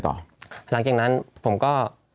ต่อตอนจากนั้นผมก็